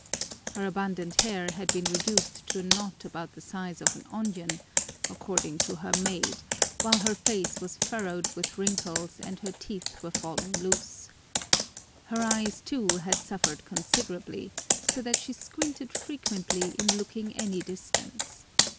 Her abundant hair had been reduced to a knot about the size of an onion, according to her maid, while her face was furrowed with wrinkles and her teeth were falling loose. Her eyes, too, had suffered considerably, so that she squinted frequently in looking any distance.